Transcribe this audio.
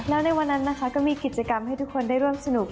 แล้วในวันนั้นนะคะก็มีกิจกรรมให้ทุกคนได้ร่วมสนุก